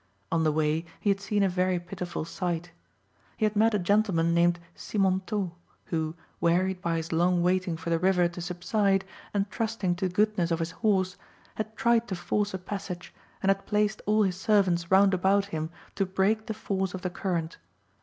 On the way he had seen a very pitiful sight. He had met a gentleman named Simontault, who, wearied by his long waiting for the river to subside, and trusting to the goodness of his horse, had tried to force a passage, and had placed all his servants round about him to break the force of the current.